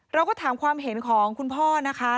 เราก็ถามความเห็นของคุณพ่อนะคะ